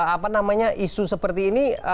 apa namanya isu seperti ini